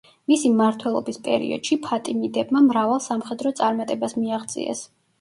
მისი მმართველობის პერიოდში ფატიმიდებმა მრავალ სამხედრო წარმატებას მიაღწიეს.